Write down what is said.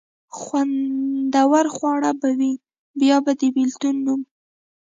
خوندور خواړه به وي، بیا به د بېلتون نوم.